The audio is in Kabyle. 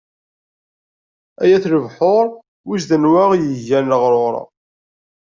Ay at lebḥur, wiss d anwa i aɣ-yeggan leɣṛuṛ.